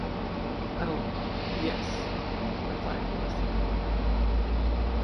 "Oh, yes;" replied Dorothy.